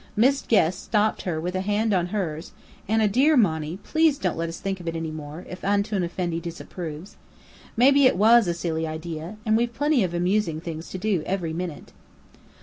Miss Guest stopped her with a hand on hers, and a "Dear Monny, please don't let us think of it any more, if Antoun Effendi disapproves. Maybe it was a silly idea, and we've plenty of amusing things to do every minute."